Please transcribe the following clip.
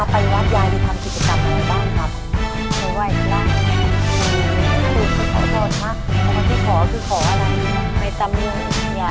ผมก็ว่าต้องมีอ่ะทุกคนแหละ